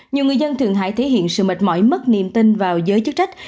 nhiều người dân thượng hải thể hiện sự mệt mỏi mất niềm tin vào giới chức trách